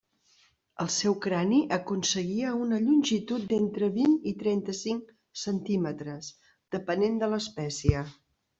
El seu crani aconseguia una longitud d'entre vint i trenta-cinc centímetres, depenent de l'espècie.